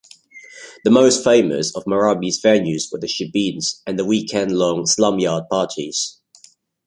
The most famous of marabi's venues were the shebeens, and the weekend-long slumyard parties.